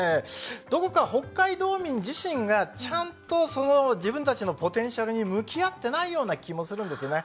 どこか北海道民自身がちゃんとその自分たちのポテンシャルに向き合ってないような気もするんですね。